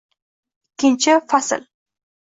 Ikkinchi fasl